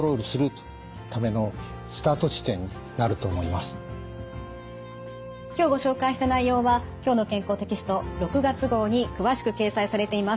でも今日ご紹介した内容は「きょうの健康」テキスト６月号に詳しく掲載されています。